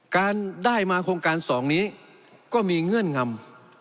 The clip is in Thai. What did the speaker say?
การได้มาโครงการ๒นี้ก็มีเงื่อนงำ